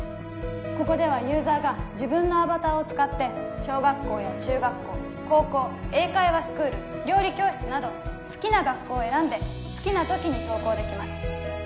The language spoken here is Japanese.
ここではユーザーが自分のアバターを使って小学校や中学校高校英会話スクール料理教室など好きな学校を選んで好きな時に登校できます